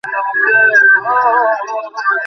তাহার সমস্ত অস্তিত্ব সেই মহামায়ার দিকে একযোগে ধাবিত হইল।